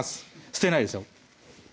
捨てないですよ